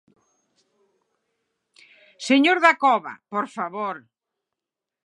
Señor Dacova, por favor.